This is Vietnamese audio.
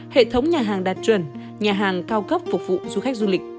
hệ thống nhà hàng đạt chuẩn nhà hàng cao cấp phục vụ du khách du lịch